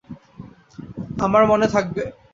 আমার মনে থাকবে।